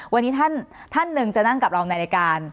วันนี้ท่านหนึ่งจะนั่งกับเราในรายการ